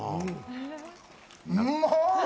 うまい！